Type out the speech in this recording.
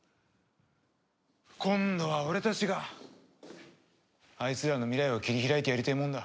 今度は俺たちがあいつらの未来を切り開いてやりてえもんだ。